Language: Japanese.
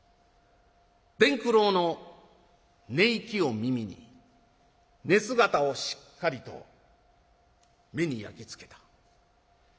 伝九郎の寝息を耳に寝姿をしっかりと目に焼き付けた。